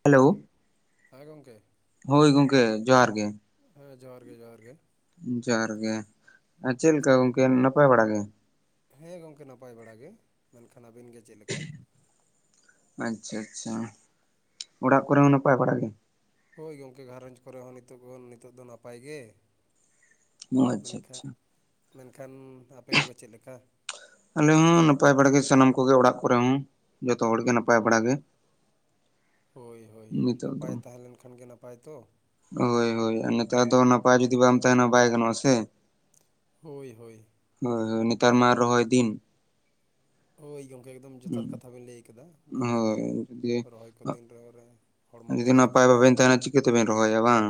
Hello ᱦᱮᱸ ᱜᱚᱝᱠᱮ ᱦᱳᱭ ᱜᱚᱝᱠᱮ ᱡᱚᱦᱟᱨ ᱜᱮ ᱦᱮᱸ ᱡᱚᱦᱟᱨ ᱜᱮ ᱡᱚᱦᱟᱨ ᱜᱮ ᱡᱚᱦᱟᱨ ᱜᱮ ᱟᱨ ᱪᱮᱞᱠᱟ ᱢᱮᱱᱠᱷᱟᱱ ᱜᱚᱝᱠᱮ ᱱᱟᱯᱟᱭ ᱵᱟᱲᱟ ᱜᱮ ᱦᱮᱸ ᱜᱚᱝᱠᱮ ᱱᱟᱯᱟᱭ ᱵᱟᱲᱟ ᱜᱮ ᱢᱮᱱᱠᱷᱟᱱ ᱟᱹᱵᱤᱱ ᱜᱮ ᱪᱮᱜ ᱞᱮᱠᱟ ᱟᱪᱪᱷᱟ ᱟᱪᱪᱷᱟ ᱚᱲᱟᱜ ᱠᱚᱨᱮ ᱦᱚᱸ ᱱᱟᱯᱟᱭ ᱵᱟᱲᱟ ᱜᱮ ᱦᱳᱭ ᱜᱚᱝᱠᱮ ᱜᱷᱟᱨᱚᱸᱡᱽ ᱠᱚᱨᱮ ᱦᱚᱸ ᱱᱤᱛᱚᱜ ᱜᱚᱱ ᱱᱤᱛᱚᱜ ᱫᱚ ᱱᱟᱯᱟᱭ ᱜᱮ ᱚ ᱟᱪᱪᱷᱟ ᱢᱮᱱᱠᱷᱟᱡ ᱟᱪᱪᱷᱟ ᱢᱮᱱᱠᱷᱟᱱ ᱟᱯᱮ ᱠᱚᱜᱮ ᱪᱮᱫ ᱞᱮᱠᱟ ᱟᱞᱮ ᱦᱚᱸ ᱱᱟᱯᱟᱭ ᱵᱟᱲᱟᱜᱮ ᱥᱟᱱᱟᱢ ᱠᱚᱜᱮ ᱚᱲᱟᱜ ᱠᱚᱨᱮ ᱦᱚᱸ ᱡᱚᱛᱚ ᱦᱚᱲᱜᱮ ᱱᱟᱯᱟᱭ ᱵᱟᱲᱟᱜᱮ ᱦᱳᱭ ᱦᱳᱭ ᱱᱤᱛᱚᱜ ᱫᱚ ᱱᱟᱯᱟᱭ ᱛᱟᱦᱮᱸ ᱞᱮᱱᱠᱷᱟᱱ ᱜᱮ ᱱᱟᱯᱟᱭ ᱛᱚ ᱦᱳᱭ ᱦᱳᱭ ᱱᱮᱛᱟᱨ ᱫᱚ ᱱᱟᱯᱟᱭ ᱡᱩᱫᱤ ᱵᱟᱢ ᱛᱟᱦᱮᱱᱟ ᱵᱟᱭ ᱜᱟᱱᱚᱜᱼᱟ ᱥᱮ ᱦᱳᱭ ᱦᱳᱭ ᱦᱳᱭ ᱦᱳᱭ ᱱᱤᱛᱟᱨ ᱢᱟ ᱨᱚᱦᱚᱭ ᱫᱤᱱ ᱳᱭ ᱜᱚᱢᱠᱮ ᱮᱠᱫᱚᱢ ᱡᱚᱛᱷᱟᱛ ᱠᱟᱛᱷᱟ ᱵᱮᱱ ᱞᱟᱹᱭ ᱠᱟᱫᱟ ᱦᱳᱭ ᱢᱮᱱᱠᱷᱟᱱ ᱡᱩᱫᱤ ᱨᱚᱦᱚᱭ ᱠᱚ ᱫᱤᱱ ᱨᱮᱦᱚᱸ ᱨᱮ ᱦᱚᱲᱢᱚ ᱠᱚ ᱡᱩᱫᱤ ᱵᱮᱥ ᱵᱟᱝ ᱱᱟᱯᱟᱭ ᱛᱟᱦᱮᱸ ᱵᱟᱵᱮᱱ ᱞᱮᱱ ᱛᱟᱦᱮᱱᱟ ᱪᱤᱠᱟᱹᱛᱮᱵᱮᱱ ᱨᱚᱦᱚᱭᱟ ᱵᱟᱝ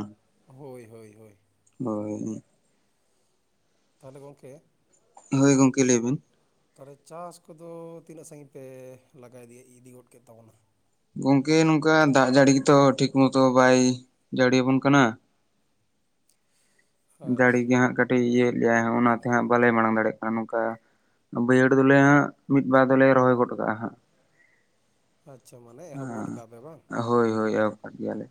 ᱦᱳᱭ ᱦᱳᱭ ᱦᱳᱭ ᱦᱳᱭ ᱛᱟᱦᱚᱞᱮ ᱜᱚᱝᱠᱮ ᱦᱳᱭ ᱜᱚᱝᱠᱮ ᱞᱟᱹᱭᱵᱤᱱ ᱛᱟᱦᱚᱞᱮ ᱪᱟᱥ ᱠᱚᱫᱚ ᱛᱤᱱᱟᱹᱜ ᱥᱟᱺᱜᱤᱧ ᱯᱮ ᱞᱟᱜᱟ ᱤᱫᱤᱭᱮ ᱤᱫᱤ ᱜᱚᱰ ᱠᱮᱫ ᱛᱟᱵᱚᱱᱟ ᱜᱚᱝᱠᱮ ᱱᱚᱝᱠᱟ ᱫᱟᱜ ᱡᱟᱹᱲᱤ ᱜᱤᱛᱚ ᱴᱷᱤᱠ ᱢᱚᱛᱚ ᱵᱟᱭ ᱡᱟᱲᱤᱭᱟᱵᱚᱱ ᱠᱟᱱᱟ ᱡᱟᱹᱲᱤ ᱟᱪᱪᱷᱟ ᱜᱮ ᱦᱟᱸᱜ ᱠᱟᱹᱴᱤᱡ ᱤᱭᱟᱹᱮᱫ ᱜᱮᱭᱟᱭ ᱦᱚᱜᱼᱱᱟᱛᱮ ᱦᱟᱸᱜ ᱵᱟᱞᱮ ᱢᱟᱲᱟᱝ ᱫᱟᱲᱮᱭᱟᱜ ᱠᱟᱱᱟ ᱱᱚᱝᱠᱟ ᱵᱟᱹᱭᱦᱟᱹᱲ ᱫᱚᱞᱮ ᱦᱟᱸᱜ ᱢᱤᱫ ᱵᱟᱨ ᱫᱚᱞᱮ ᱨᱚᱦᱚᱭ ᱜᱚᱴ ᱠᱟᱜᱼᱟ ᱦᱟᱸᱜ ᱟᱪᱪᱷᱟ ᱢᱟᱱᱮ ᱮᱦᱚᱵ ᱜᱚᱫ ᱮᱸ ᱠᱟᱜ ᱯᱮ ᱵᱟᱝ ᱦᱳᱭ ᱦᱳᱭ ᱮᱦᱚᱵ ᱠᱟᱫ ᱜᱮᱭᱟᱞᱮ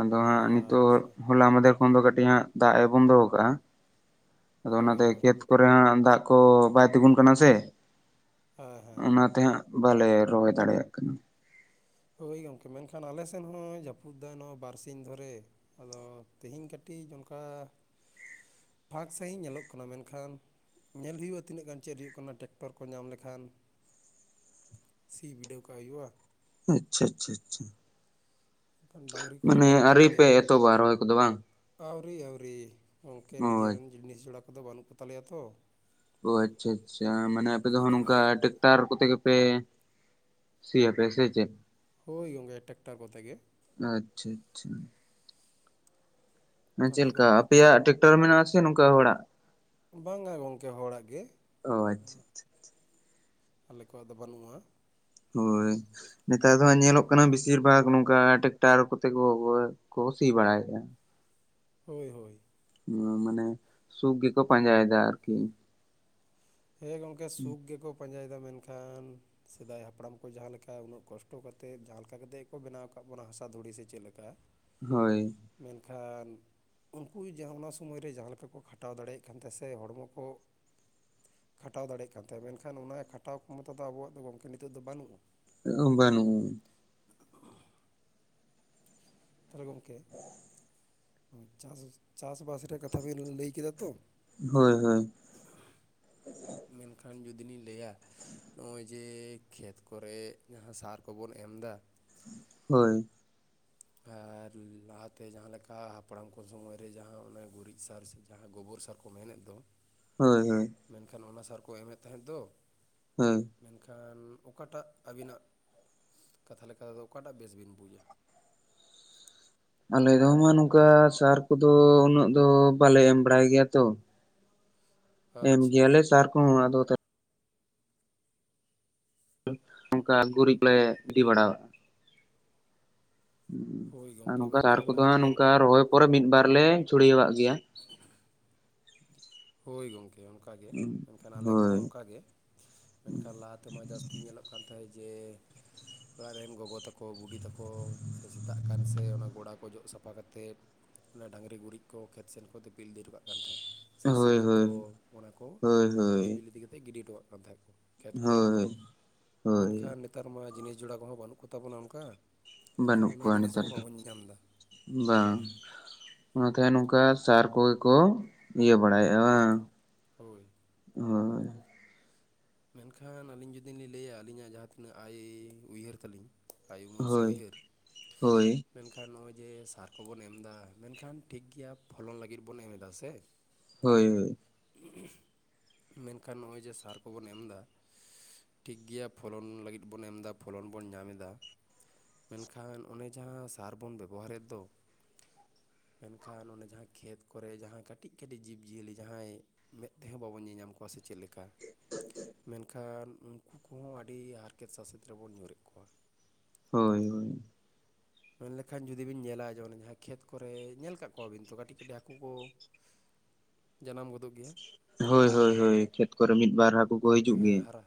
ᱟᱫᱚ ᱦᱟᱸᱜ ᱱᱤᱛᱚᱜ ᱟᱪᱪᱷᱟ ᱦᱚᱞᱟ ᱢᱟᱫᱷᱮᱨ ᱠᱷᱚᱱ ᱫᱚ ᱠᱟᱹᱴᱤᱡ ᱦᱟᱸᱜ ᱫᱟᱜ ᱮ ᱵᱚᱱᱫᱚ ᱠᱟᱜᱼᱟ ᱟᱫᱚ ᱦᱳᱭ ᱚᱱᱟᱛᱮ ᱦᱳᱭ ᱠᱷᱮᱛ ᱠᱚᱨᱮ ᱦᱟᱸᱜ ᱫᱟᱜ ᱠᱚ ᱵᱟᱭ ᱛᱤᱜᱩᱱ ᱠᱟᱱᱟ ᱥᱮ ᱦᱮᱸ ᱦᱮᱸ ᱛᱮᱦᱟᱸᱜ ᱵᱟᱞᱮ ᱨᱚᱦᱚᱭ ᱫᱟᱲᱮᱭᱟᱜ ᱠᱟᱱᱟ᱾ ᱦᱳᱭ ᱜᱚᱝᱠᱮ ᱢᱮᱱᱠᱷᱟᱱ ᱟᱞᱮ ᱥᱮᱱ ᱦᱚᱸᱭ ᱡᱟᱹᱯᱩᱫ ᱫᱟᱭ ᱱᱚ ᱵᱟᱨᱥᱤᱧ ᱫᱷᱚᱨᱮ ᱟᱫᱚ ᱛᱮᱦᱤᱧ ᱠᱟᱹᱴᱤᱡᱽ ᱚᱱᱠᱟ᱾ ᱯᱷᱟᱸᱠ ᱥᱟᱺᱦᱤᱡᱽ ᱧᱮᱞᱚᱜ ᱠᱟᱱᱟ ᱢᱮᱱᱠᱷᱟᱱ ᱧᱮᱞ ᱦᱩᱭᱩᱜᱼᱟ ᱛᱤᱱᱟᱹᱜ ᱜᱟᱱ ᱪᱮᱫ ᱦᱩᱭᱩᱜ ᱠᱟᱱᱟ ᱴᱮᱠᱴᱚᱨ ᱠᱚ ᱧᱟᱢ ᱞᱮᱠᱷᱟᱱ ᱥᱤ ᱵᱤᱰᱟᱹᱣ ᱠᱟᱜ ᱦᱩᱭᱩᱜᱼᱟ᱾ ᱟᱪᱪᱷᱟ ᱟᱪᱪᱷᱟ ᱟᱪᱪᱷᱟ ᱮᱱᱠᱷᱟᱱ ᱰᱟᱝᱨᱤ ᱠᱚᱫᱚ ᱢᱟᱱᱮ ᱵᱟᱹᱱᱩᱜ ᱟᱹᱨᱤ ᱯᱮ ᱠᱚᱛᱟᱞᱮᱭᱟ ᱮᱛᱚᱵᱟ ᱨᱚᱦᱚᱭ ᱠᱚᱫᱚ ᱵᱟᱝ ᱟᱹᱣᱨᱤ ᱟᱹᱣᱨᱤ ᱜᱚᱝᱠᱮ ᱚ ᱟᱪᱪᱷᱟ ᱱᱤᱡᱮᱨᱮᱱ ᱡᱤᱱᱤᱥ ᱡᱚᱲᱟ ᱠᱚᱫᱚ ᱵᱟᱹᱱᱩᱜ ᱠᱚ ᱛᱟᱞᱮᱭᱟ ᱛᱚ ᱦᱳᱭ ᱟᱪᱪᱷᱟ ᱟᱪᱪᱷᱟ ᱢᱟᱱᱮ ᱟᱯᱮ ᱫᱚ ᱦᱟᱸᱜ ᱱᱚᱝᱠᱟ ᱴᱮᱠ ᱴᱟᱨ ᱠᱚᱛᱮ ᱜᱮᱯᱮ ᱥᱤᱭᱟᱯᱮ ᱥᱮ ᱪᱮᱫ ᱦᱳᱭ ᱜᱚᱝᱠᱮ ᱴᱟᱠᱴᱟᱨ ᱠᱚᱛᱮ ᱜᱮ ᱟᱪᱪᱷᱟ ᱟᱪᱪᱷᱟ ᱢᱟᱱᱮ ᱪᱮ ᱛᱟᱦᱚᱞᱮ ᱪᱮᱞᱠᱟ ᱜᱚᱢᱠᱮ ᱟᱯᱮᱭᱟᱜ ᱴᱮᱠᱴᱚᱨ ᱢᱮᱱᱟᱜ ᱟᱥᱮ ᱱᱚᱝᱠᱟ ᱦᱚᱲᱟᱜ ᱵᱟᱝᱜᱟ ᱜᱚᱝᱠᱮ ᱦᱚᱲᱟᱜ ᱜᱮ ᱚ ᱟᱪᱪᱷᱟ ᱟᱞᱮ ᱠᱚᱣᱟᱜ ᱫᱚ ᱵᱟᱹᱱᱩᱜᱼᱟ᱾ ᱦᱳᱭ ᱱᱮᱛᱟᱨ ᱫᱚ ᱦᱟᱸᱜ ᱧᱮᱞᱚᱜ ᱠᱟᱱᱟ ᱵᱤᱥᱤᱨ ᱵᱷᱟᱜᱽ ᱱᱚᱝᱠᱟ ᱴᱮᱠᱴᱟᱨ ᱠᱚᱛᱮ ᱠᱚ ᱠᱚ ᱠᱚ ᱥᱤ ᱵᱟᱲᱟᱭᱼᱟ᱾ ᱦᱳᱭ ᱦᱳᱭ ᱩᱸᱢ ᱢᱟᱱᱮ ᱥᱩᱠ ᱜᱤᱠᱚ ᱯᱟᱸᱡᱟᱭᱮᱫᱟ ᱟᱨᱠᱤ ᱦᱮᱸ ᱜᱚᱝᱠᱮ ᱥᱩᱠ ᱜᱮᱠᱚ ᱯᱟᱸᱡᱟᱭᱮᱫᱟ ᱢᱮᱱᱠᱷᱟᱱ ᱥᱮᱫᱟᱭ ᱦᱟᱯᱲᱟᱢ ᱠᱚ ᱡᱟᱦᱟᱸ ᱞᱮᱠᱟ ᱩᱱᱟᱹᱜ ᱠᱚᱥᱴᱚ ᱠᱟᱛᱮᱫ ᱡᱟᱦᱟᱸ ᱞᱮᱠᱟ ᱠᱟᱛᱮᱜ ᱜᱮ ᱠᱚ ᱵᱮᱱᱟᱣ ᱠᱟᱜ ᱵᱚᱱᱟ ᱦᱟᱥᱟ ᱫᱷᱩᱲᱤ ᱥᱮ ᱪᱮᱜ ᱞᱮᱠᱟ ᱦᱳᱭ ᱢᱮᱱᱠᱷᱟᱱ ᱩᱱᱠᱩᱭ ᱡᱟᱦᱟᱸ ᱚᱱᱟ ᱥᱚᱢᱚᱭ ᱨᱮ ᱡᱟᱦᱟᱸ ᱞᱮᱠᱟ ᱠᱚ ᱠᱷᱟᱴᱟᱣ ᱫᱟᱲᱮᱭᱟᱜ ᱠᱟᱱᱛᱟᱦᱮᱱ ᱥᱮ ᱦᱚᱲᱢᱚ ᱠᱚ ᱠᱷᱟᱴᱟᱣ ᱫᱟᱲᱮᱭᱟᱜ ᱠᱟᱱ ᱛᱟᱦᱮᱸᱫᱼᱟ ᱢᱮᱱᱠᱷᱟᱱ ᱚᱱᱟ ᱠᱷᱟᱴᱟᱣ ᱠᱷᱚᱢᱚᱛᱟ ᱫᱚ ᱟᱵᱚᱣᱟᱜ ᱫᱚ ᱜᱚᱝᱠᱮ ᱱᱤᱛᱚᱜ ᱫᱚ ᱵᱟᱹᱱᱩᱜᱼᱟ᱾ [unintelligible] ᱵᱟᱱᱩ ᱛᱟᱦᱚᱞᱮ ᱜᱚᱝᱠᱮ ᱪᱟᱥ ᱪᱟᱥᱵᱟᱥ ᱨᱮᱭᱟᱜ ᱠᱟᱛᱷᱟ ᱵᱮᱱ ᱞᱟᱹᱭ ᱠᱮᱫᱟ ᱛᱚ᱾ ᱦᱳᱭ ᱦᱳᱭ᱾ ᱢᱮᱱᱠᱷᱟᱱ ᱡᱩᱫᱤ ᱞᱤᱧ ᱞᱟᱹᱭᱼᱟ ᱱᱚᱜᱼᱚᱭ ᱡᱮ ᱠᱷᱮᱛ ᱠᱚᱨᱮ ᱡᱟᱦᱟᱸ ᱥᱟᱨ ᱠᱚᱵᱚᱱ ᱮᱢᱫᱟ᱾ ᱦᱳᱭ᱾ ᱟᱨ ᱞᱟᱦᱟᱛᱮ ᱡᱟᱦᱟᱸ ᱞᱮᱠᱟ ᱦᱟᱯᱲᱟᱢ ᱠᱚ ᱥᱚᱢᱚᱭ ᱨᱮ ᱡᱟᱦᱟᱸ ᱚᱱᱟ ᱜᱩᱨᱤᱡᱽ ᱥᱟᱨ ᱥᱮ ᱡᱟᱦᱟᱸ ᱜᱳᱵᱚᱨ ᱥᱟᱨ ᱠᱚ ᱢᱮᱱᱮᱜ ᱫᱚ ᱦᱳᱭ ᱦᱳᱭ᱾ ᱢᱮᱱᱠᱷᱟᱱ ᱚᱱᱟ ᱥᱟᱨ ᱠᱚ ᱮᱢᱮᱫ ᱛᱟᱦᱮᱸᱫ ᱫᱚ ᱦᱮᱸ᱾ ᱢᱮᱱᱠᱷᱟᱱ ᱚᱠᱟᱴᱟᱜ ᱟᱹᱵᱤᱱᱟᱜ ᱠᱟᱛᱷᱟ ᱞᱮᱠᱟ ᱫᱚ ᱚᱠᱟᱴᱟᱜ ᱵᱮᱥ ᱵᱤᱱ ᱵᱩᱡᱟ? ᱟᱞᱮ ᱫᱚ ᱢᱟ ᱱᱚᱝᱠᱟ ᱥᱟᱨ ᱠᱚᱫᱚ ᱩᱱᱟᱹᱜ ᱫᱚ ᱵᱟᱞᱮ ᱮᱢ ᱵᱟᱲᱟᱭ ᱜᱮᱭᱟ ᱛᱚ᱾ ᱮᱢ ᱟᱪᱪᱷᱟ ᱜᱮᱭᱟᱞᱮ ᱥᱟᱨ ᱠᱚᱦᱚᱸ ᱟᱫᱚ ᱚᱱᱠᱟ ᱜᱩᱨᱤᱡ ᱞᱮ ᱤᱫᱤ ᱵᱟᱲᱟᱭᱟᱜᱼᱟ᱾ ᱦᱳᱭ ᱟᱨ ᱜᱚᱢᱠᱮ ᱱᱚᱝᱠᱟ ᱨᱟᱨ ᱢᱮᱱᱠᱷᱟᱱ ᱠᱚᱫᱚ ᱞᱟᱦᱟ ᱦᱟᱜ ᱛᱮᱫᱚ ᱱᱚᱝᱠᱟ ᱚᱱᱠᱟ ᱨᱚᱦᱚᱭ ᱯᱚᱨᱮ ᱢᱤᱫ ᱵᱟᱨ ᱞᱮ ᱪᱷᱩᱲᱟᱹᱣᱟᱜ ᱜᱮᱭᱟ᱾ ᱦᱳᱭ ᱜᱚᱝᱠᱮ ᱚᱱᱠᱟ ᱜᱮ ᱢᱮᱱᱠᱷᱟᱱ ᱟᱞᱮ ᱦᱳᱭ ᱠᱚᱦᱚᱸ ᱚᱱᱠᱟ ᱜᱮ ᱢᱮᱱᱠᱷᱟᱱ ᱞᱟᱦᱟ ᱛᱮᱢᱟ ᱡᱟᱹᱥᱛᱤ ᱧᱮᱞᱚᱜ ᱿ ᱠᱟᱱᱛᱟᱭ ᱡᱮ᱾ ᱚᱲᱟᱜ ᱨᱮᱱ ᱜᱚᱜᱚ ᱛᱟᱠᱚ ᱵᱩᱰᱤ ᱛᱟᱠᱚ ᱥᱮ ᱥᱮᱛᱟᱜ ᱠᱟᱱ ᱥᱮ ᱚᱱᱟ ᱜᱚᱲᱟ ᱠᱚ ᱡᱚᱜ ᱥᱟᱯᱷᱟ ᱠᱟᱛᱮᱫ ᱚᱱᱟ ᱰᱟᱹᱝᱨᱤ ᱜᱩᱨᱤᱡᱽ ᱠᱚ ᱠᱷᱮᱛ ᱥᱮᱱ ᱠᱚ ᱫᱤᱯᱤᱞ ᱤᱫᱤ ᱴᱚᱠᱟᱡ ᱠᱟᱱ ᱛᱟᱦᱮᱸᱫ᱾ ᱥᱮ ᱦᱳᱭ ᱥᱤᱢᱤᱡ ᱦᱳᱭ ᱠᱚ ᱚᱱᱟ ᱠᱚ ᱦᱳᱭ ᱦᱳᱭ ᱫᱤᱯᱤᱞ ᱤᱫᱤ ᱠᱟᱛᱮ ᱜᱤᱰᱤ ᱦᱚᱴᱚᱠᱟᱜ ᱠᱟᱱ ᱛᱟᱦᱮᱸᱫ ᱠᱚ ᱠᱷᱮᱛ ᱠᱚᱨᱮ ᱦᱳᱭ ᱦᱳᱭ ᱢᱮᱱᱠᱷᱟᱱ ᱱᱮᱛᱟᱨ ᱢᱟ ᱡᱤᱱᱤᱥ ᱡᱚᱲᱟ ᱠᱚᱦᱚᱸ ᱵᱟᱹᱱᱩᱜ ᱠᱚ ᱛᱟᱵᱚᱱᱟ ᱚᱱᱠᱟ ᱢᱮᱱᱠᱷᱟᱱ ᱵᱟᱹᱱᱩᱜ ᱚᱱᱟ ᱠᱚᱣᱟ ᱡᱤᱱᱤᱥ ᱱᱮᱛᱟᱨ ᱦᱚᱸ ᱫᱚ ᱵᱟᱵᱚᱱ ᱧᱮᱧᱟᱢ ᱫᱟ᱾ ᱵᱟᱝ ᱚᱱᱟᱛᱮ ᱱᱚᱝᱠᱟ ᱥᱟᱨ ᱠᱚᱜᱮ ᱠᱚ ᱤᱭᱟᱹ ᱵᱟᱲᱟᱭᱮᱭᱟ ᱵᱟᱝ ᱦᱳᱭ᱾ ᱦᱳ ᱡᱳᱭ ᱾ ᱢᱮᱱᱠᱷᱟᱱ ᱟᱹᱞᱤᱧ ᱡᱩᱫᱤ ᱞᱤᱧ ᱞᱟᱹᱭᱟ ᱟᱹᱞᱤᱧᱟᱜ ᱡᱟᱦᱟᱸ ᱛᱤᱱᱟᱹᱜ ᱟᱭ ᱩᱭᱦᱟᱹᱨ ᱛᱟᱞᱤᱧ᱾ ᱟᱭᱳᱢᱟᱹᱱ ᱥᱮ ᱦᱳᱭ ᱩᱭᱦᱟᱹᱨ᱾ ᱦᱳᱭ ᱢᱮᱱᱠᱷᱟᱱ ᱱᱚᱜᱼᱚᱭ ᱡᱮ ᱥᱟᱨ ᱠᱚᱵᱚᱱ ᱮᱢ ᱫᱟ ᱢᱮᱱᱠᱷᱟᱱ ᱴᱷᱤᱠ ᱜᱮᱭᱟ ᱯᱷᱚᱞᱚᱱ ᱞᱟᱹᱜᱤᱫ ᱵᱚᱱ ᱮᱢ ᱮᱫᱟ ᱥᱮ᱾ ᱦᱳᱭ ᱦᱳᱭ᱾ [inaudible] ᱢᱮᱱᱠᱷᱟᱱ ᱱᱚᱜᱼᱚᱭ ᱡᱮ ᱥᱚᱨ᱾ ᱠᱚᱵᱚᱱ ᱮᱢ ᱫᱟ ᱴᱷᱤᱠ ᱜᱮᱭᱟ ᱯᱷᱚᱞᱚᱱ ᱞᱟᱹᱜᱤᱫ ᱵᱚᱱ ᱮᱢ ᱫᱟ ᱯᱷᱚᱞᱚᱱ ᱵᱚᱱ ᱧᱟᱢ ᱮᱫᱟ ᱢᱮᱱᱠᱷᱟᱱ ᱚᱱᱮ ᱡᱟᱦᱟ ᱥᱟᱨ ᱵᱚᱱ ᱵᱮᱵᱚᱦᱟᱨᱮᱫ ᱫᱚ᱾ ᱢᱮᱱᱠᱷᱟᱱ ᱚᱱᱮ ᱡᱟᱦᱟᱸ ᱠᱷᱮᱛ ᱠᱚᱨᱮ ᱡᱟᱦᱟᱸ ᱠᱟᱹᱴᱤᱡ ᱠᱟᱹᱴᱤᱡ ᱡᱤᱵᱽᱼᱡᱤᱭᱟᱹᱞᱤ ᱡᱟᱦᱟᱸᱭ᱾ ᱢᱮᱸᱫ ᱛᱮᱦᱚᱸ ᱵᱟᱵᱚᱱ ᱧᱮᱞᱧᱟᱢ ᱠᱚᱣᱟ ᱥᱮ ᱪᱮᱫ ᱞᱮᱠᱟ᱾ ᱢᱮᱱᱠᱷᱟᱱ ᱩᱱᱠᱩ ᱠᱚᱦᱚᱸ ᱟᱹᱰᱤ ᱦᱟᱨᱠᱮᱛ ᱥᱟᱥᱮᱛ ᱨᱮᱵᱚᱱ ᱧᱩᱨᱮᱫ ᱠᱚᱣᱟ᱾ ᱦᱳᱭ ᱦᱳᱭ᱾ ᱢᱮᱱ ᱞᱮᱠᱷᱟᱱ ᱡᱩᱫᱤ ᱵᱤᱱ ᱧᱮᱞᱟ ᱚᱱᱮ ᱡᱟᱦᱟ ᱠᱷᱮᱛ ᱠᱚᱨᱮ ᱧᱮᱞ ᱠᱟᱜ ᱠᱚᱣᱟᱵᱤᱱ ᱛᱚ ᱠᱟᱹᱴᱤᱡ ᱠᱟᱹᱴᱤᱡ ᱦᱟᱹᱠᱩ ᱠᱚ᱾ ᱡᱟᱱᱟᱢ ᱜᱚᱫᱚᱜ ᱜᱮᱭᱟ᱾ ᱦᱳᱭ ᱦᱳᱭ ᱦᱳᱭ ᱠᱷᱮᱛ ᱠᱚᱨᱮ ᱢᱤᱫ ᱵᱟᱨ ᱦᱟᱹᱠᱩ ᱠᱚ ᱦᱤᱡᱩᱜ ᱦᱮᱸ ᱜᱮᱭᱟ ᱦᱟᱨᱟ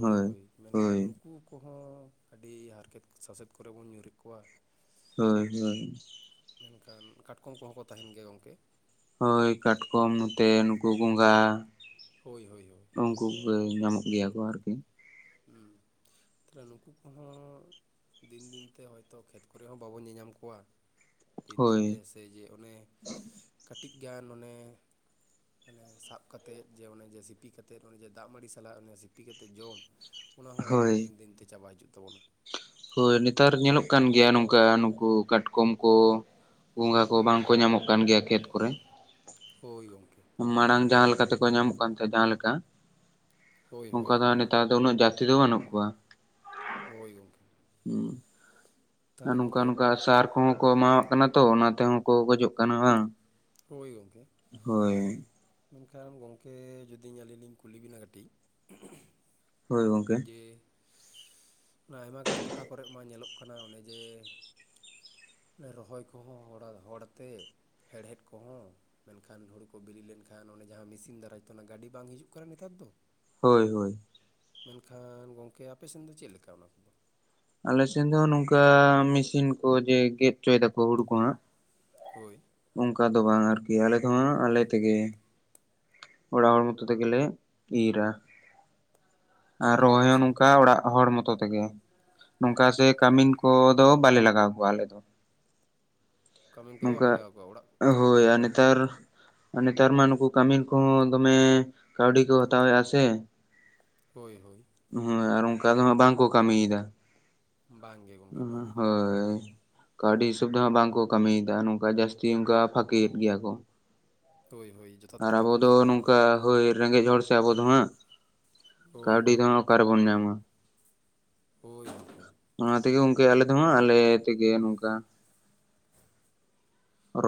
ᱦᱳᱭ ᱦᱳᱭ᱾ ᱠᱚ ᱦᱚᱸ ᱟᱹᱰᱤ ᱦᱟᱨᱠᱮᱛ ᱥᱟᱥᱮᱛ ᱠᱚᱨᱮ ᱵᱚᱱ ᱧᱩᱨᱮᱫ ᱠᱚᱣᱟ᱾ ᱦᱳᱭ ᱦᱳᱭ᱾ ᱢᱮᱱᱠᱷᱟᱱ ᱠᱟᱴᱠᱚᱢ ᱠᱚᱦᱚᱸ ᱠᱚ ᱛᱟᱦᱮᱱ ᱜᱮᱭᱟ ᱜᱚᱝᱠᱮ᱾ ᱦᱳᱭ ᱠᱟᱴᱠᱚᱢ ᱱᱚᱛᱮ ᱱᱩᱠᱩ ᱜᱚᱸᱜᱷᱟ ᱦᱳᱭ ᱦᱳᱭ ᱦᱳᱭ ᱩᱱᱠᱩ ᱠᱚᱜᱮ ᱧᱟᱢᱚᱜ ᱜᱮᱭᱟ ᱠᱚ ᱟᱨᱠᱤ ᱦᱩᱸ ᱛᱟᱦᱞᱮ ᱱᱩᱠᱩ ᱠᱚᱦᱚᱸ ᱫᱤᱱ ᱫᱤᱱᱛᱮ ᱦᱚᱭᱛᱳ ᱠᱷᱮᱛ ᱠᱚᱨᱮ ᱦᱚᱸ ᱵᱟᱵᱚᱱ ᱧᱮᱧᱟᱢ ᱠᱚᱣᱟ ᱫᱤᱱ ᱫᱤᱱᱛᱮ ᱦᱳᱭ ᱮᱭᱡᱮ ᱚᱱᱮ ᱠᱟᱹᱴᱤᱡ ᱜᱟᱱ ᱚᱱᱮ ᱟᱱᱮ ᱥᱟᱵ ᱠᱟᱛᱮᱫ ᱡᱮ ᱚᱱᱮ ᱡᱮ ᱥᱤᱯᱤ ᱠᱟᱛᱮᱫ ᱚᱱᱮ ᱡᱮ ᱫᱟᱜ ᱢᱟᱹᱲᱤ ᱥᱟᱞᱟᱜ ᱥᱤᱯᱤ ᱠᱟᱛᱮᱫ ᱡᱚᱢ ᱚᱱᱟ ᱦᱚᱸ ᱦᱳᱭ ᱦᱳᱭ ᱱᱮᱛᱟᱨ ᱧᱮᱞᱚᱜ ᱠᱟᱱ ᱜᱮᱭᱟ ᱱᱚᱝᱠᱟ ᱱᱩᱠᱩ ᱠᱟᱴᱠᱚᱢ ᱠᱚ ᱵᱚᱸᱜᱷᱟ ᱠᱚ ᱵᱟᱝ ᱠᱚ ᱧᱟᱢᱚᱜ ᱠᱟᱱ ᱜᱮᱭᱟ ᱠᱷᱮᱛ ᱠᱚᱨᱮ ᱦᱳᱭ ᱜᱚᱢᱠᱮ ᱢᱟᱲᱟᱝ ᱡᱟᱦᱟᱸ ᱞᱮᱠᱟ ᱛᱮᱠᱚ ᱧᱟᱢᱚᱜ ᱠᱟᱱ ᱛᱟᱦᱮᱸᱫ ᱡᱟᱦᱟᱸ ᱞᱮᱠᱟ ᱦᱳᱭ ᱦᱳᱭ ᱚᱱᱠᱟ ᱫᱚ ᱱᱤᱛ ᱱᱮᱛᱟᱨ ᱫᱚ ᱩᱱᱟᱹᱜ ᱡᱟᱹᱛᱤ ᱫᱚ ᱵᱟᱹᱱᱩᱜ ᱠᱚᱣᱟ ᱦᱳᱭ ᱜᱚᱝᱠᱮ᱾ [unintelligible] ᱟᱨ ᱱᱚᱝᱠᱟ ᱱᱚᱝᱠᱟ ᱥᱟᱨ ᱠᱚᱦᱚᱸ ᱠᱚ ᱮᱢᱟᱣᱟᱜ ᱠᱟᱱᱟ ᱛᱚ ᱚᱱᱟ ᱛᱮᱦᱚᱸ ᱠᱚ ᱜᱚᱡᱚᱜ ᱠᱟᱱᱟ ᱵᱟᱝ᱾ ᱦᱳᱭ ᱜᱚᱝᱠᱮ᱾ ᱦᱳᱭ᱾ ᱢᱮᱱᱠᱷᱟᱱ ᱜᱚᱝᱠᱮ ᱡᱩᱫᱤ ᱟᱹᱞᱤᱧ ᱞᱤᱧ ᱠᱩᱞᱤ ᱵᱤᱱᱟ ᱠᱟᱹᱴᱤᱡ ᱦᱳᱭ ᱜᱚᱝᱠᱮ ᱡᱮ ᱟᱭᱢᱟ ᱜᱟᱱ ᱴᱚᱴᱷᱟ ᱠᱚᱨᱮᱜ ᱢᱟ ᱧᱮᱞᱚᱜ ᱠᱟᱱᱟ ᱚᱱᱮ ᱡᱮ ᱨᱚᱦᱚᱭ ᱠᱚᱦᱚᱸ ᱦᱚᱲᱟᱛᱮ ᱦᱮᱲᱦᱮᱫ ᱠᱚᱦᱚᱸ ᱢᱮᱱᱠᱷᱟᱱ ᱦᱩᱲᱩ ᱠᱚ ᱵᱤᱞᱤ ᱞᱮᱱᱠᱷᱟᱱ ᱚᱱᱮ ᱡᱟᱦᱟᱸ ᱢᱮᱥᱤᱱ ᱫᱟᱨᱟᱭ ᱛᱮ ᱚᱱᱟ ᱜᱟᱹᱰᱤ ᱵᱟᱝ ᱦᱤᱡᱩᱜ ᱠᱟᱱᱟ ᱱᱮᱛᱟᱨ ᱫᱚ ᱦᱳᱭ ᱦᱳᱭ ᱢᱮᱱᱠᱷᱟᱱ ᱜᱚᱢᱠᱮ ᱟᱯᱮ ᱥᱮᱱ ᱫᱚ ᱪᱮᱫ ᱞᱮᱠᱟ ᱚᱱᱟ ᱠᱚᱫᱚ ᱟᱞᱮᱥᱮ. ᱱ ᱫᱚ ᱱᱚᱝᱠᱟ ᱢᱮᱥᱤᱱ ᱠᱚ ᱡᱮ ᱜᱮᱫ ᱦᱚᱪᱚᱭ ᱫᱟᱠᱚ ᱦᱩᱲᱩ ᱠᱚ ᱦᱟᱸᱜ ᱦᱳᱭ ᱚᱱᱠᱟ ᱫᱚ ᱵᱟᱝ ᱟᱨᱠᱤ ᱟᱞᱮ ᱫᱚᱦᱟᱸᱜ ᱟᱞᱮ ᱛᱮᱜᱮ ᱚᱲᱟᱜ ᱦᱚᱲ ᱢᱚᱛᱚ ᱛᱮ ᱜᱮᱞᱮ ᱤᱨᱟ ᱟᱨ ᱨᱚᱦᱚᱭ ᱦᱚᱸ ᱟᱪᱪᱷᱟ ᱱᱚᱝᱠᱟ ᱚᱲᱟᱜ ᱦᱚᱲ ᱢᱚᱛᱚ ᱛᱮᱜᱮ ᱱᱚᱝᱠᱟ ᱥᱮ ᱠᱟᱹᱢᱤᱱ ᱠᱚᱫᱚ ᱵᱟᱞᱮ ᱞᱟᱜᱟᱣ ᱠᱚᱣᱟ ᱟᱞᱮ ᱫᱚ ᱠᱟᱹᱢᱤᱱ ᱠᱚᱫᱚ ᱱᱚᱝᱠᱟ ᱵᱟᱯᱮ ᱞᱟᱜᱟᱣ ᱠᱚᱣᱟ ᱚᱲᱟᱜ ᱦᱚᱲ ᱠᱚᱛᱮ ᱦᱳᱭ ᱜᱮ ᱟᱨ ᱵᱟᱝ ᱱᱮᱛᱟᱨ ᱟᱨ ᱱᱮᱛᱟᱨ ᱢᱟ ᱱᱩᱠᱩ ᱠᱟᱹᱢᱤᱱ ᱠᱚᱦᱚᱸ ᱫᱚᱢᱮ ᱠᱟᱹᱣᱰᱤ ᱠᱚ ᱦᱟᱛᱟᱣᱮᱫᱼᱟ ᱥᱮ ᱦᱳᱭ ᱦᱳᱭ ᱦᱮᱸ ᱟᱨ ᱚᱱᱠᱟ ᱫᱚ ᱦᱟᱸᱜ ᱵᱟᱝᱠᱚ ᱠᱟᱹᱢᱤᱭᱮᱫᱟ ᱵᱟᱝ ᱜᱮ ᱜᱚᱢᱠᱮ ᱵᱟᱝ ᱦᱳᱭ ᱠᱟᱹᱣᱰᱤ ᱦᱤᱥᱟᱹᱵ ᱛᱮᱦᱚᱸ ᱵᱟᱝᱠᱚ ᱠᱟᱹᱢᱤᱭᱮᱫᱟ ᱱᱚᱝᱠᱟ ᱡᱟᱹᱥᱛᱤ ᱚᱱᱠᱟ ᱯᱷᱟᱠᱤᱭᱮᱫ ᱜᱮᱭᱟ ᱠᱚ ᱦᱳᱭ ᱦᱳᱭ ᱡᱚᱛᱷᱟᱛ ᱟᱨ ᱠᱟᱛᱷᱟ ᱟᱵᱚ ᱵᱮᱱ ᱫᱚ ᱞᱟᱹᱭ ᱠᱟᱜᱼᱟ ᱱᱚᱣᱟ ᱱᱚᱝᱠᱟ ᱫᱚ ᱦᱳᱭ ᱨᱮᱸᱜᱮᱡ ᱦᱚᱲ ᱥᱮ ᱟᱵᱚ ᱫᱚ ᱦᱟᱸᱜ ᱦᱳᱭ ᱠᱟᱹᱣᱰᱤ ᱫᱚ ᱦᱳᱭ ᱦᱟᱸᱜ ᱚᱠᱟᱨᱮ ᱵᱚᱱ ᱧᱟᱢᱟ ᱦᱳᱭ ᱚᱱᱟ ᱛᱮᱜᱮ ᱜᱚᱝᱠᱮ ᱟᱞᱮ ᱫᱚᱦᱟᱸᱜ ᱟᱞᱮ ᱛᱮᱜᱮ ᱱᱚᱝᱠᱟ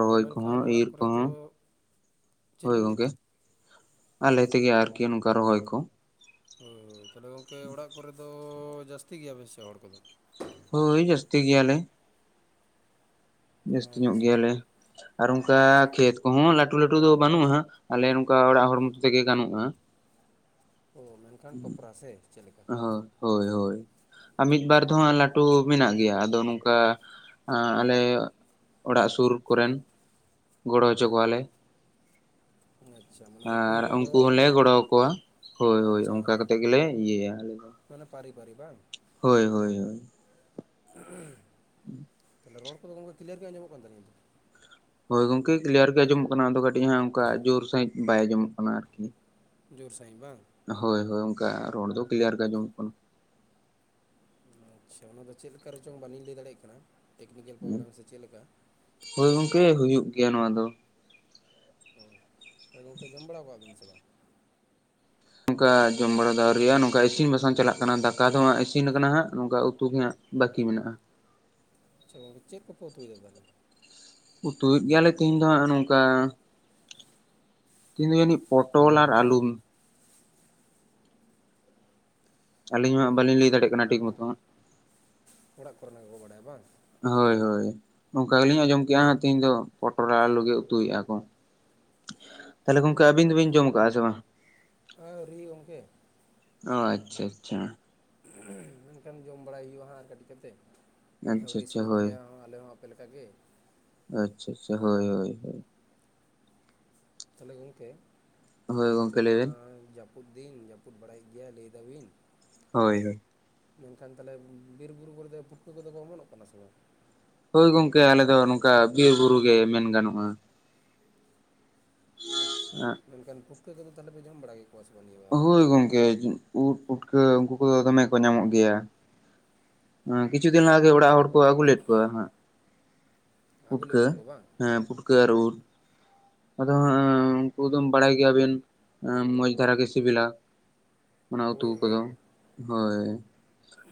ᱛᱟᱦᱚᱞᱮ ᱠᱚᱦᱚᱸ ᱢᱮᱱᱠᱷᱟᱱ ᱚᱲᱟᱜ ᱤᱨ ᱠᱚᱨᱮ ᱫᱚ ᱠᱚᱦᱚᱸ ᱪᱮᱫ ᱦᱳᱭ ᱵᱤᱱ ᱞᱟᱹᱭᱫᱟ ᱜᱚᱝᱠᱮ ᱟᱞᱮ ᱛᱮᱜᱮ ᱟᱨᱠᱤ ᱱᱚᱝᱠᱟ ᱨᱚᱦᱚᱭ ᱠᱚ ᱦᱳᱭ ᱛᱟᱦᱚᱞᱮ ᱜᱚᱝᱠᱮ ᱚᱲᱟᱜ ᱠᱚᱨᱮ ᱫᱚ ᱡᱟᱹᱥᱛᱤ ᱜᱮᱭᱟᱵᱮᱱ ᱥᱮ ᱦᱚᱲ ᱠᱚᱫᱚ ᱦᱳᱭ ᱡᱟᱹᱥᱛᱤ ᱜᱮᱭᱟᱞᱮ ᱡᱟᱹᱥᱛᱤ ᱧᱚᱜ ᱟᱪᱪᱷᱟ ᱜᱮᱭᱟᱞᱮ ᱟᱨ ᱚᱱᱠᱟ ᱠᱷᱮᱛ ᱠᱚᱦᱚᱸ ᱞᱟᱹᱴᱩ ᱞᱟᱹᱴᱩ ᱫᱚ ᱵᱟᱹᱱᱩᱜᱼᱟ ᱦᱟᱸᱜ ᱟᱞᱮ ᱱᱚᱝᱠᱟ ᱚᱲᱟᱜ ᱦᱚᱲ ᱢᱚᱛᱚ ᱛᱮᱜᱮ ᱜᱟᱱᱚᱜᱼᱟ ᱳ ᱢᱮᱱ ᱦᱮᱸ ᱦᱳᱭ ᱦᱳᱭ ᱟᱨ ᱢᱤᱫ ᱵᱟᱨ ᱫᱚᱦᱟᱸᱜ ᱞᱟᱹᱴᱩ ᱢᱮᱱᱟᱜ ᱜᱮᱭᱟ ᱟᱫᱚ ᱱᱚᱝᱠᱟ ᱟᱸᱟᱞᱮ ᱚᱲᱟᱜ ᱥᱩᱨ ᱠᱚᱨᱮᱱ ᱜᱚᱲᱚ ᱦᱚᱪᱚ ᱠᱚᱣᱟᱞᱮ᱾ ᱟᱪᱪᱷᱟ ᱢᱟᱱᱮ ᱟᱨ ᱦᱚᱸᱠᱚ ᱜᱚᱲᱚ ᱩᱱᱠᱩ ᱦᱚᱸᱞᱮ ᱟᱯᱮᱭᱟ ᱜᱚᱲᱚ ᱟᱨ ᱟᱠᱚᱣᱟ᱾ ᱦᱳᱭ ᱦᱳᱭ ᱟᱪᱪᱷᱟ ᱚᱱᱠᱟ ᱚᱱᱟ ᱠᱟᱛᱮ ᱜᱮᱞᱮ ᱤᱭᱟᱹᱭᱟ ᱟᱞᱮ ᱫᱚ ᱢᱟᱱᱮ ᱯᱟᱹᱨᱤ ᱯᱟᱹᱨᱤ ᱵᱟᱝ ᱦᱳᱭ ᱦᱳᱭ ᱦᱳᱭ᱾ ᱦ [unintelligible] ᱦᱮᱸ [inaudible] ᱨᱚᱲ ᱠᱚᱫᱚ ᱜᱚᱝᱠᱮ ᱠᱞᱤᱭᱟᱨ ᱜᱮ ᱟᱡᱚᱢ ᱚᱜ ᱠᱟᱱ ᱛᱟᱞᱤᱧᱟ ᱛᱚ ᱦᱳᱭ ᱜᱚᱝᱠᱮ ᱠᱞᱤᱭᱟᱨ ᱜᱮ ᱟᱸᱚᱢᱚᱜ ᱠᱟᱱᱟ ᱟᱫᱚ ᱠᱟᱹᱴᱤᱡ ᱦᱟᱸᱜ ᱚᱱᱠᱟ ᱡᱳᱨ ᱥᱟᱺᱦᱤᱡ ᱵᱟᱭ ᱟᱸᱡᱚᱢᱚᱜ ᱠᱟᱱᱟ ᱟᱨᱠᱤ᱾ ᱡᱳᱨ ᱥᱟᱺᱦᱤᱡ ᱵᱟᱝ ᱦᱳᱭ ᱦᱳᱭ ᱚᱱᱠᱟ ᱨᱚᱲ ᱫᱚ ᱠᱞᱤᱭᱟᱨ ᱜᱮ ᱟᱡᱚᱢ ᱚᱜ ᱠᱟᱱᱟ ᱟᱪᱷᱟ ᱚᱱᱟ ᱫᱚ ᱪᱮᱫ ᱞᱮᱠᱟ ᱨᱮᱪᱚᱝ ᱵᱟᱞᱤᱧ ᱞᱟᱹᱭ ᱫᱟᱲᱮᱭᱟᱜ ᱠᱟᱱᱟ ᱴᱮᱠᱱᱤᱠᱮᱞ ᱯᱨᱚᱵᱽᱞᱮᱢ ᱥᱮ ᱪᱮᱫ ᱞᱮᱠᱟ ᱦᱳᱭ ᱜᱚᱝᱠᱮ ᱦᱩᱭᱩᱜ ᱜᱮᱭᱟ ᱱᱚᱣᱟ ᱫᱚ ᱚ [inaudible] ᱛᱟᱦᱚᱞᱮ ᱜᱚᱢᱠᱮ ᱡᱚᱢ ᱵᱟᱲᱟ ᱠᱚᱣᱟᱵᱤᱱ ᱥᱮ ᱵᱟᱝ ᱱᱚᱝᱠᱟ ᱡᱚᱢ ᱵᱟᱲᱟ ᱫᱚ ᱟᱹᱨᱤᱭᱟᱜ-ᱟ ᱱᱚᱝᱠᱟ ᱤᱥᱤᱱ ᱵᱟᱥᱟᱝ ᱪᱟᱞᱟᱜ ᱠᱟᱱᱟ ᱫᱟᱠᱟ ᱫᱚᱦᱟᱸᱜ ᱤᱥᱤᱱ ᱠᱟᱱᱟ ᱦᱟᱸᱜ ᱱᱚᱝᱠᱟ ᱩᱛᱩ ᱜᱮᱦᱟᱸᱜ ᱵᱟᱹᱠᱤ ᱢᱮᱱᱟᱜᱼᱟ ᱟᱪᱪᱷᱟ ᱜᱚᱢᱠᱮ ᱪᱮᱫ ᱠᱚᱯᱮ ᱩᱛᱩᱭᱫᱟ ᱛᱟᱦᱚᱞᱮ ᱩᱛᱩᱭᱮᱫ ᱜᱮᱭᱟᱞᱮ ᱛᱤᱦᱤᱧ ᱫᱚ ᱦᱟᱜ ᱱᱚᱝᱠᱟ ᱛᱤᱦᱤᱧ ᱫᱚ ᱡᱟᱹᱱᱤᱡ ᱯᱚᱴᱚᱞ ᱟᱨ ᱟᱞᱩᱢ ᱟᱹᱞᱤᱧ ᱢᱟ ᱦᱟᱸᱜ ᱟᱨ ᱵᱟᱹᱞᱤᱧ ᱞᱟᱹᱭ ᱫᱟᱲᱮᱭᱟᱜ ᱠᱟᱱᱟ ᱴᱷᱤᱠ ᱢᱚᱛᱚ ᱦᱟᱸᱜ ᱚᱲᱟᱜ ᱠᱚᱨᱮᱱᱟᱜ ᱜᱮᱠᱚ ᱵᱟᱰᱟᱭᱟ ᱵᱟᱝ? ᱦᱳᱭ ᱦᱳᱭ ᱱᱚᱝᱠᱟ ᱜᱮᱞᱤᱧ ᱟᱸᱡᱚᱢ ᱠᱮᱜ-ᱟᱦᱟᱸᱜ ᱛᱤᱦᱤᱧ ᱫᱚ ᱯᱚᱴᱚᱨ ᱟᱨ ᱟᱞᱩ ᱜᱮ ᱩᱛᱩᱭᱮᱜᱼᱟ ᱠᱚ ᱛᱟᱦᱚᱞᱮ ᱜᱚᱝᱠᱮ ᱟᱹᱵᱤᱱ ᱫᱚᱵᱤᱱ ᱡᱚᱢ ᱟᱠᱟᱜᱼᱟ ᱥᱮ ᱵᱟᱝ ᱟᱹᱣᱨᱤ ᱜᱚᱝᱠᱮ ᱟ ᱟᱪᱷᱟ ᱟᱪᱷᱟ ᱢᱮᱱᱠᱷᱟᱱ ᱡᱚᱢ ᱵᱟᱲᱟᱭ ᱦᱩᱭᱩᱜᱼᱟ ᱦᱟᱸᱜ ᱟᱨ ᱠᱟᱹᱴᱤᱡ ᱠᱟᱛᱮ ᱟᱪᱪᱷᱟ ᱟᱹᱣᱨᱤ ᱟᱪᱪᱷᱟ ᱤᱥᱤᱱᱚᱜ ᱦᱳᱭ ᱛᱟᱞᱮᱭᱟ ᱦᱚᱸ ᱟᱞᱮ ᱦᱚᱸ ᱟᱯᱮ ᱞᱮᱠᱟ ᱜᱮ᱾ ᱟᱪᱷᱟ ᱟᱪᱷᱟ ᱦᱳᱭ ᱦᱳᱭ ᱦᱳᱭ ᱛᱟᱦᱚᱞᱮ ᱜᱚᱝᱠᱮ ᱦᱳᱭ ᱜᱚᱝᱠᱮ ᱱᱤᱛᱚᱜ ᱞᱟᱹᱭ ᱢᱟ ᱵᱮᱱ ᱡᱟᱯ ᱡᱟᱹᱯᱩᱫ ᱫᱤᱱ ᱡᱟᱹᱯᱩᱫ ᱵᱟᱲᱟᱭᱮᱫ ᱜᱮᱭᱟ ᱞᱟᱹᱭ ᱮᱫᱟ ᱵᱤᱱ ᱦᱳᱭ ᱦᱳᱭ ᱢᱮᱱᱠᱷᱟᱱ ᱛᱟᱦᱞᱮ ᱵᱤᱨᱼᱵᱩᱨᱩ ᱠᱚᱨᱮᱫ ᱯᱩᱴᱩᱠᱟᱹ ᱠᱚᱫᱚ ᱠᱚ ᱚᱢᱚᱱᱚᱜ ᱠᱟᱱᱟ ᱥᱮ ᱵᱟᱝ ᱦᱳᱭ ᱜᱚᱝᱠᱮ ᱟᱞᱮ ᱫᱚ ᱱᱚᱝᱠᱟ ᱵᱤᱨ ᱵᱩᱨᱩ ᱜᱮ ᱢᱮᱱ ᱜᱟᱱᱚᱜᱼᱟ᱾ ᱟᱪᱷᱟ ᱢᱮᱱᱠᱷᱟᱱ ᱯᱩᱴᱠᱟᱹ ᱠᱚᱫᱚ ᱛᱟᱦᱞᱮ ᱯᱮ ᱡᱚᱢ ᱵᱟᱲᱟ ᱠᱮᱫᱠᱚᱣᱟ ᱥᱮ ᱵᱟᱝ ᱱᱤᱭᱟᱹ ᱵᱟᱨ ᱫᱚ ᱦᱳᱭ ᱜᱚᱝᱠᱮ ᱩᱫ ᱯᱩᱴᱠᱟᱹ ᱩᱝᱠᱩ ᱠᱚᱫᱚ ᱫᱚᱢᱮ ᱠᱚ ᱧᱟᱢᱚᱜ ᱜᱮᱭᱟ ᱦᱮᱸ ᱠᱤᱪᱷᱩ ᱫᱤᱱ ᱞᱟᱦᱟ ᱜᱮ ᱚᱲᱟᱜ ᱦᱚᱲ ᱠᱚ ᱟᱹᱜᱩ ᱞᱮᱫ ᱠᱚᱣᱟ ᱦᱟᱜ ᱟᱹᱜᱩ ᱞᱮᱫ ᱯᱩᱴᱠᱟᱹ ᱠᱚᱣᱟ ᱠᱚ ᱵᱟᱝ ᱦᱮᱸ ᱯᱩᱴᱠᱟᱹ ᱟᱨ ᱩᱫ ᱟᱫᱚ ᱦᱟᱜ ᱩᱱᱠᱩ ᱫᱚᱢ ᱵᱟᱲᱟᱭ ᱜᱮᱭᱟᱵᱤᱱ ᱢᱚᱸᱡᱽ ᱫᱷᱟᱨᱟ ᱜᱤ ᱥᱤᱵᱤᱞᱟ ᱚᱱᱟ ᱩᱛᱩ ᱦᱳᱭ ᱦᱳᱭ ᱠᱚᱫᱚ, ᱦᱳᱭ᱾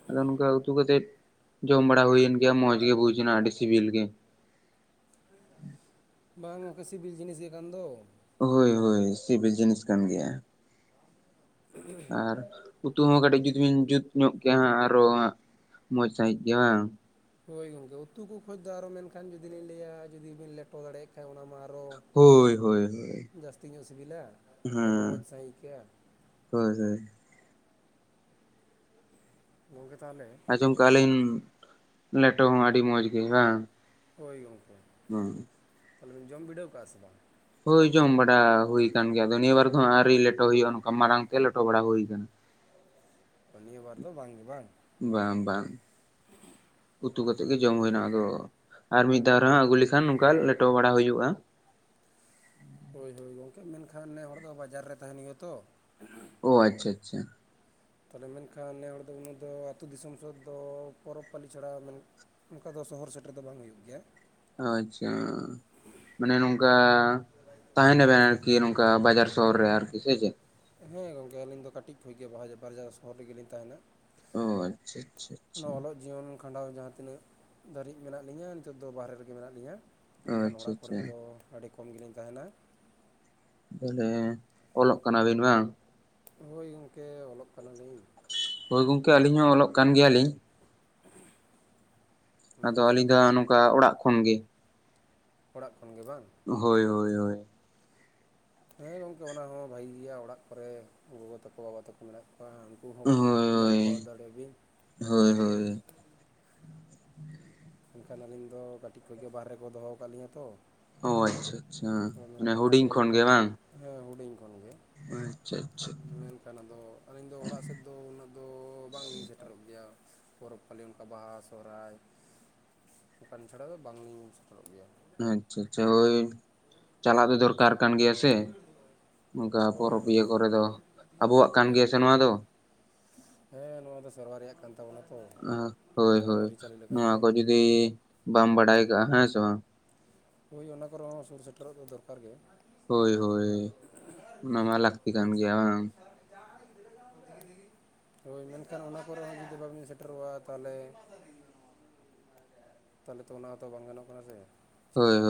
ᱟᱫᱚ ᱱᱚᱝᱠᱟ ᱩᱛᱩ ᱠᱟᱛᱮᱜ ᱡᱚᱢ ᱵᱟᱲᱟ ᱦᱩᱭᱮᱱ ᱜᱮᱭᱟ ᱢᱚᱸᱡᱽ ᱜᱮ ᱵᱩᱡ ᱱᱟ ᱟᱹᱰᱤ ᱥᱤᱵᱤᱞ ᱜᱮ ᱵᱟᱝ ᱜᱚᱝᱠᱮ ᱥᱤᱵᱤᱞ ᱡᱤᱱᱤᱥ ᱜᱮ ᱠᱟᱱ ᱫᱚ ᱦᱳᱭ ᱢᱮᱱᱠᱷᱟᱱ ᱦᱳᱭ ᱥᱤᱵᱤᱞ ᱡᱤᱱᱤᱥ ᱠᱟᱱ ᱜᱮᱭᱟ᱾ ᱟᱨ ᱩᱛᱩ ᱦᱚᱸ ᱠᱟᱹᱴᱤᱡ ᱡᱩᱫᱤ ᱵᱤᱱ ᱡᱩᱛ ᱧᱚᱜ ᱠᱮᱭᱟ ᱦᱟᱸᱜ ᱟᱨᱚ ᱦᱟᱸᱜ ᱢᱚᱡᱽ ᱥᱟᱺᱦᱤᱡ ᱜᱮ ᱵᱟᱝ? ᱦᱳᱭ ᱜᱚᱢᱠᱮ ᱩᱛᱩ ᱠᱚ ᱠᱷᱚᱡ ᱫᱚ ᱟᱨ ᱢᱮᱱᱠᱷᱟᱱ ᱡᱩᱫᱤ ᱞᱤᱧ ᱞᱮᱭᱟ ᱡᱩᱫᱤ ᱵᱤᱱ ᱞᱮᱴᱚ ᱫᱟᱲᱮᱭᱟᱜ ᱠᱷᱟᱱ ᱚᱱᱟ ᱢᱟ ᱟᱨᱚ ᱦᱳᱭ ᱦᱳᱭ ᱦᱳᱭ ᱡᱟᱹᱥᱛᱤ ᱧᱚᱜ ᱥᱤᱵᱤᱞᱟ ᱢᱮᱱᱠᱷᱟᱱ ᱨᱚᱢᱚᱡᱽ ᱦᱮᱸ ᱥᱟᱺᱦᱤᱡ ᱟᱹᱭᱠᱟᱹᱜᱼᱟ᱾ ᱦᱳᱭ ᱦᱳᱭ ᱜᱚᱝᱠᱮ ᱛᱟᱦᱟᱞᱮ ᱟᱡᱚᱢ ᱠᱟᱜᱼᱟ ᱞᱤᱧ ᱞᱮᱴᱚ ᱦᱚᱸ ᱟᱹᱰᱤ ᱢᱚᱸᱡᱽ ᱜᱮ ᱵᱟᱝ? ᱦᱳᱭ ᱜᱚᱝᱠᱮ ᱦᱩᱸ ᱛᱟᱦᱚᱞᱮ ᱵᱮᱱ ᱡᱚᱢ ᱵᱤᱰᱟᱹᱣ ᱠᱟᱜᱼᱟ ᱥᱮ ᱵᱟᱝ? ᱦᱳᱭ ᱡᱚᱢ ᱵᱟᱰᱟ ᱦᱩᱭ ᱟᱠᱟᱱ ᱜᱮᱭᱟ ᱟᱫᱚ ᱱᱤᱭᱟᱹᱵᱟᱨ ᱫᱚ ᱟᱹᱣᱨᱤ ᱞᱮᱴᱚ ᱦᱩᱭᱩᱜᱼᱟ ᱱᱚᱝᱠᱟ ᱢᱟᱲᱟᱝ ᱛᱮ ᱞᱮᱴᱚ ᱵᱟᱲᱟ ᱦᱩᱭ ᱟᱠᱟᱱᱟ ᱚ ᱱᱤᱭᱟᱹ ᱵᱟᱨ ᱫᱚ ᱵᱟᱝ ᱜᱮ ᱵᱟᱝ ᱵᱟᱝ ᱵᱟᱝ ᱩᱛᱩ ᱠᱟᱛᱮᱜ ᱜᱮ ᱡᱚᱢ ᱦᱩᱭ ᱱᱟ ᱟᱫᱚᱼᱼ ᱟᱨ ᱢᱤᱫ ᱫᱷᱟᱣ ᱨᱮᱦᱚᱸ ᱟᱹᱜᱩ ᱞᱮᱠᱷᱟᱱ ᱱᱚᱝᱠᱟ ᱞᱮᱴᱚ ᱵᱟᱲᱟ ᱦᱩᱭᱩᱜ-ᱟ᱾ ᱦᱳᱭ ᱦᱳᱭ ᱜᱚᱝᱠᱮ ᱢᱮᱱᱠᱷᱟᱱ ᱱᱮ ᱦᱚᱲ ᱫᱚ ᱵᱟᱡᱟᱨ ᱨᱮ ᱛᱟᱦᱮᱱ ᱦᱩᱭᱩᱜᱼᱟ ᱛᱚ᱾ ᱚᱻ ᱟᱪᱪᱷᱟ ᱟᱪᱪᱷᱟ᱾ ᱛᱟᱦᱞᱮ ᱢᱮᱱᱠᱷᱟᱱ ᱱᱮ ᱦᱚᱲ ᱫᱚ ᱩᱱᱟᱹᱜ ᱫᱚ ᱟᱛᱩ ᱫᱤᱥᱚᱢ ᱥᱮᱜ ᱫᱚ ᱯᱚᱨᱚᱵᱽ ᱯᱟᱹᱞᱤ ᱪᱷᱟᱲᱟ ᱢᱟᱱᱮᱼᱼ ᱚᱱᱠᱟ ᱫᱚ ᱥᱚᱦᱚᱨ ᱥᱮᱴᱮᱨ ᱫᱚ ᱵᱟᱝ ᱦᱩᱭᱩᱜ ᱜᱮᱭᱟ᱾ ᱚ ᱟᱪᱪᱷᱟ᱾ ᱢᱟᱱᱮ ᱱᱚᱝᱠᱟ ᱛᱟᱦᱮᱱᱟ ᱵᱮᱱ ᱟᱨᱠᱤ ᱱᱚᱝᱠᱟ ᱵᱟᱡᱟᱨ ᱥᱚᱦᱚᱨ ᱨᱮ ᱟᱨᱠᱤ ᱥᱮ ᱪᱮᱫ? ᱦᱮᱸ ᱜᱚᱝᱠᱮ ᱟᱹᱞᱤᱧ ᱫᱚ ᱠᱟᱴᱤᱡ ᱠᱷᱚᱡ ᱜᱮ ᱵᱟᱦᱟᱡᱟ ᱵᱟᱨᱡᱟᱨ ᱥᱚᱦᱚᱨ ᱨᱮᱜᱮ‌ ᱞᱤᱧ ᱛᱟᱦᱮᱸᱱᱟ᱾ ᱚ ᱟᱪᱪᱷᱟ ᱟᱪᱪᱷᱟ ᱟᱪᱪᱷᱟ ᱱᱚᱣᱟ ᱚᱞᱚᱜ ᱡᱤᱭᱚᱱ ᱠᱷᱟᱸᱰᱟᱣ ᱡᱟᱦᱟᱸ ᱛᱤᱱᱟᱹᱜ ᱫᱷᱟᱹᱨᱤᱡ ᱢᱮᱱᱟᱜ ᱞᱤᱧᱟᱹ ᱱᱤᱛᱚᱜ ᱫᱚ ᱵᱟᱨᱦᱮ ᱨᱮᱜᱮ ᱢᱮᱱᱟᱜ ᱞᱤᱧᱟᱹ᱾ ᱮᱱᱠᱷᱟᱱ ᱟᱪᱪᱷᱟ ᱟᱪᱪᱷᱟ ᱚᱲᱟᱜ ᱠᱚᱨᱮ ᱫᱚ ᱟᱹᱰᱤ ᱠᱚᱢ ᱜᱮᱞᱤᱧ ᱛᱟᱦᱮᱱᱟ᱾ ᱵᱚᱞᱮ ᱚᱞᱚᱜ ᱠᱟᱱᱟ ᱵᱤᱱ ᱵᱟᱝ? ᱦᱳᱭ ᱜᱚᱝᱠᱮ ᱚᱞᱚᱜ ᱠᱟᱱᱟ ᱞᱤᱧ᱾ ᱦᱳᱭ ᱜᱚᱝᱠᱮ ᱟᱞᱤᱧ ᱦᱚᱸ ᱚᱞᱚᱜ ᱠᱟᱱ ᱜᱮᱭᱟ ᱞᱤᱧ᱾ ᱟᱫᱚ ᱟᱪᱪᱷᱟ ᱟᱹᱞᱤᱧ ᱫᱚ ᱦᱟᱸᱜ ᱱᱚᱝᱠᱟ ᱚᱲᱟᱜ ᱠᱷᱚᱱ ᱜᱮ᱾ ᱚᱲᱟᱜ ᱠᱷᱚᱱ ᱜᱮ ᱵᱟᱝ? ᱦᱳᱭ ᱦᱳᱭ ᱦᱳᱭ᱾ ᱦᱮᱸ ᱜᱚᱝᱠᱮ ᱚᱱᱟ ᱦᱚᱸ ᱵᱷᱟᱜᱤ ᱜᱮᱭᱟ ᱚᱲᱟᱜ ᱠᱚᱨᱮ ᱜᱚᱜᱚ ᱛᱟᱠᱚ ᱵᱟᱵᱟ ᱛᱟᱠᱚ ᱢᱮᱱᱟᱜ ᱠᱚᱣᱟ᱾ ᱵᱟᱝ ᱩᱱᱠᱩ ᱦᱚᱸᱠᱚ ᱧᱮᱞ ᱠᱚᱣᱟ ᱫᱟᱲᱮᱭᱟ ᱵᱤᱱ ᱦᱳᱭ ᱦᱳᱭ ᱦᱳᱭ ᱢᱮᱱᱠᱷᱟᱱ ᱟᱹᱞᱤᱧ ᱫᱚ ᱠᱟᱴᱤᱡ ᱠᱷᱚᱡ ᱜᱮ ᱵᱟᱦᱨᱮ ᱠᱚ ᱫᱚᱦᱚᱣ ᱠᱟᱜ ᱞᱤᱧᱟᱹ ᱛᱚ᱾ ᱚᱻ ᱟᱪᱪᱷᱟ ᱟᱪᱪᱷᱟ ᱛᱚ ᱢᱟᱱᱮ ᱢᱮᱱᱠᱷᱟᱱ ᱦᱩᱰᱤᱧ ᱟᱫᱚ ᱠᱷᱚᱱ ᱜᱮ ᱵᱟᱝ᱾ ᱦᱮᱸ ᱦᱩᱰᱤᱧ ᱠᱷᱚᱱ ᱜᱮ᱾ ᱟᱪᱪᱷᱟ ᱟᱪᱪᱷᱟ᱾ ᱢᱮᱱᱠᱷᱟᱱ ᱟᱫᱚ ᱟᱹᱞᱤᱧ ᱫᱚ ᱚᱲᱟᱜ ᱥᱮᱫ ᱫᱚ ᱩᱱᱟᱹᱜ ᱫᱚ ᱵᱟᱝ ᱞᱤᱧ ᱥᱮᱴᱮᱨᱚᱜ ᱜᱮᱭᱟ᱾ ᱯᱚᱨᱚᱯ ᱯᱟᱞᱤ ᱚᱱᱠᱟ ᱵᱟᱦᱟ ᱥᱚᱨᱦᱟᱭ᱾ ᱚᱱᱠᱟᱱ ᱪᱷᱟᱲᱟ ᱫᱚ ᱵᱟᱝ ᱞᱤᱧ ᱥᱮᱴᱮᱨᱚᱜ ᱜᱮᱭᱟ᱾ ᱦᱮᱸ ᱟᱪᱪᱷᱟ ᱟᱪᱪᱷᱟ ᱦᱳᱭ ᱪᱟᱞᱟᱜ ᱫᱚ ᱫᱚᱨᱠᱟᱨ ᱠᱟᱱ ᱜᱮᱭᱟ ᱥᱮ᱾ ᱱᱚᱝᱠᱟ ᱦᱳᱭ ᱯᱚᱨᱚᱵᱽ ᱦᱳᱭ ᱤᱭᱟᱹ ᱦᱳᱭ ᱠᱚᱨᱮ ᱫᱚ ᱟᱵᱚᱣᱟᱜ ᱠᱟᱱ ᱦᱳᱭ ᱜᱮᱭᱟ ᱥᱮ ᱱᱚᱣᱟ ᱫᱚ᱾ ᱦᱮᱸ ᱱᱚᱣᱟ ᱫᱚ ᱥᱮᱨᱣᱟ ᱨᱮᱭᱟᱜ ᱠᱟᱱ ᱛᱟᱵᱚᱱᱟ᱾ ᱛᱚ ᱚᱱᱟ ᱦᱳᱭ ᱦᱳᱭ ᱡᱟᱦᱟᱸ ᱟᱹᱨᱤᱪᱟᱹᱞᱤ ᱱᱚᱣᱟ ᱞᱮᱠᱟᱛᱮ ᱠᱚ ᱡᱩᱫᱤ ᱵᱟᱢ ᱵᱟᱲᱟᱭ ᱠᱟᱜ-ᱟ ᱦᱮᱸ ᱥᱮ ᱵᱟᱝ᱾ ᱦᱳᱭ ᱚᱱᱟ ᱠᱚᱨᱮ ᱦᱚᱸ ᱥᱩᱨ ᱥᱮᱴᱮᱨᱚᱜ ᱫᱚ ᱫᱚᱨᱠᱟᱨ ᱜᱮ᱾ ᱦᱳᱭ ᱦᱳᱭ ᱚᱱᱟ ᱢᱟ ᱞᱟᱹᱠᱛᱤ ᱠᱟᱱ ᱜᱮᱭᱟ ᱵᱟᱝ [unintelligible] ᱡᱟᱦᱟᱸᱭ‌ ᱜᱤᱫᱽᱨᱟᱹ ᱥᱟᱶᱛᱮ‌ᱼᱼ ᱦᱳᱭ ᱢᱮᱱᱠᱷᱟᱱ ᱚᱱᱟ ᱠᱚᱨᱮ ᱦᱚᱸ ᱡᱩᱫᱤ ᱵᱟᱵᱤᱱ ᱥᱮᱴᱮᱨᱚᱜ-ᱟ ᱛᱟᱦᱚᱞᱮᱼᱼ ᱛᱟᱦᱚᱞᱮ ᱛᱚ ᱚᱱᱟ ᱦᱚᱸᱛᱚ ᱵᱟᱝ ᱜᱟᱱᱚᱜ ᱠᱟᱱᱟ ᱥᱮ ᱦᱳᱭ ᱪᱤᱠᱟᱹ ᱦᱳᱭ ᱵᱤᱱᱼᱼ